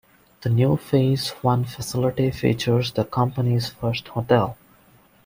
The new Phase One facility features the company's first hotel.